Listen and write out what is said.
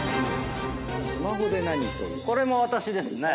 これも私ですね。